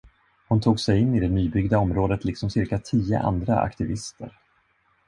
Hon tog sej in i det nybyggda området liksom cirka tio andra aktivister.